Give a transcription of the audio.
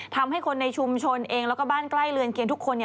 ทำให้คนในชุมชนเองแล้วก็บ้านใกล้เรือนเคียงทุกคนเนี่ย